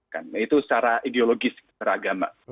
yaitu secara ideologis secara agama